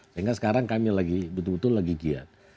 sehingga sekarang kami lagi betul betul lagi giat